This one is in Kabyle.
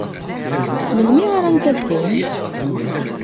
Melmi ara n-tasem?